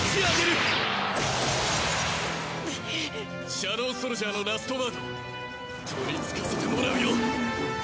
シャドウソルジャーのラストワード取りつかせてもらうよ！